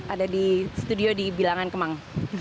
ada di studio di bilangan kemang